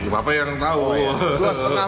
bapak yang tahu ya